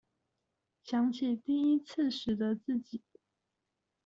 想起第一次時的自己